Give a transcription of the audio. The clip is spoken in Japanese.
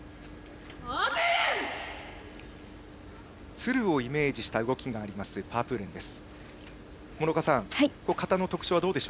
鶴をイメージした動きがあるパープーレンです。